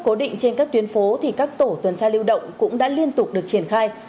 cố định trên các tuyến phố thì các tổ tuần tra lưu động cũng đã liên tục được triển khai